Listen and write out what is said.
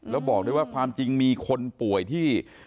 แล้วบอกด้วยว่าความจริงมีคนป่วยที่